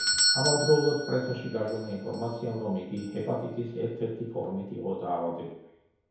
ამავდროულად, პრესაში გაჟონა ინფორმაციამ, რომ იგი ჰეპატიტის ერთ-ერთი ფორმით იყო დაავადებული.